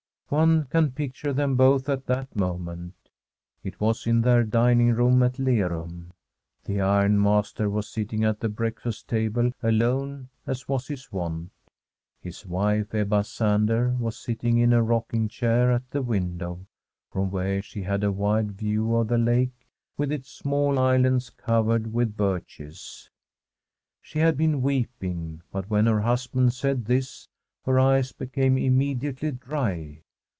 One can picture them both at that moment. It was in their dining room at Lerum. The iron master was sitting at the breakfast table alone, as was his wont. His wife, Ebba Sander, was sit ting in a rocking chair at the window, from where she had a wide view of the lake, with its small islands covered with birches. She had been weeping, but when her husband said this, her eyes became immediately dry.